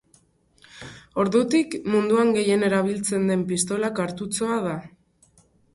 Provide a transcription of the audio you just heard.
Ordutik, munduan gehien erabiltzen den pistola-kartutxoa da.